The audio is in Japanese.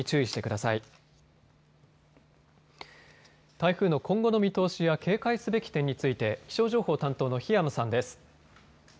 台風の今後の見通しや警戒すべき点について気象情報担当の檜山さんです。